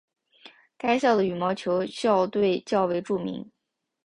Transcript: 该校的羽毛球校队较为著名。